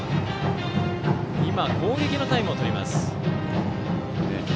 今、攻撃のタイムをとります。